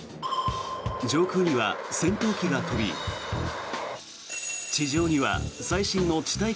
上空には戦闘機が飛び地上には最新の地